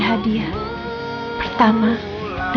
aku bisa berdoa sama dia